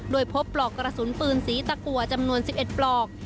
โดยพบปลอกกระสุนปืนสีตะกัวจำนวน๑๑ปลอก